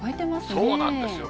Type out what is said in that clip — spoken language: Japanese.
そうなんですよ。